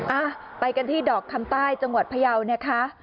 อ่ะไปกันที่ดอกคำใต้จังหวัดพยาวนะคะ